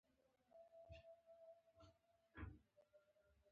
دغه مسیر د پاڅون تر پیل وروسته وټاکل شو.